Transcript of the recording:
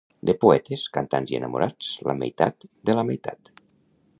De poetes, cantants i enamorats, la meitat de la meitat.